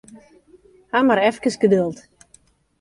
Haw mar efkes geduld.